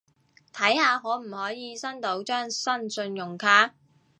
睇下可唔可以申到張新信用卡